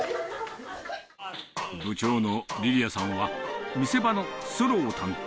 部長のりりあさんは、見せ場のソロを担当。